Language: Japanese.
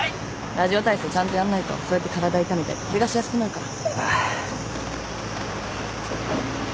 ラジオ体操ちゃんとやんないとそうやって体痛めたりケガしやすくなるから。